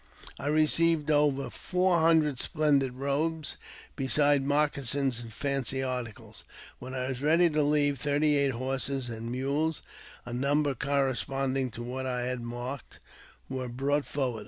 I received over four hundred splendid robes, besides moc casins and fancy articles. When I was ready to leave, thirty eight horses and mules, a number corresponding to what I had marked, were brought forward.